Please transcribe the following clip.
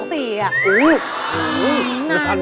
อุ๊ยแม่กันมาก